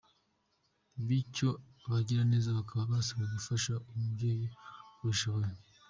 Bityo abagiraneza bakaba basabwa gufasha uyu mubyeyi uko bashoboye.